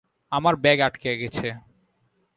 আমার ব্যাগ আটকে গেছে।